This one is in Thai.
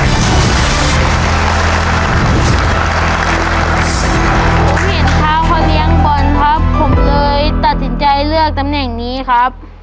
ผมเห็นเท้าเขาเลี้ยงบอลครับผมเลยตัดสินใจเลือกตำแหน่งนี้ครับ